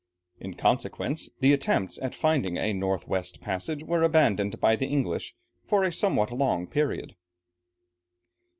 In consequence, the attempts at finding a north west passage were abandoned by the English for a somewhat long period.